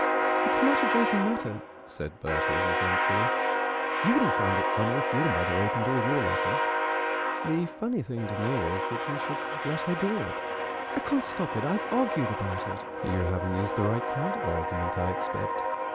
"It's not a joking matter," said Bertie resentfully: "you wouldn't find it funny if your mother opened all your letters." "The funny thing to me is that you should let her do it." "I can't stop it. I've argued about it—" "You haven't used the right kind of argument, I expect.